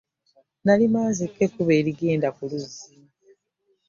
Nalima nzeka ekkubo erigenda ku luzzi.